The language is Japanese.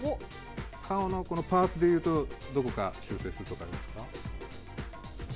顔のパーツで言うとどこか修正するところありますか？